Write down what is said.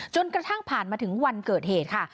กระทั่งผ่านมาถึงวันเกิดเหตุค่ะ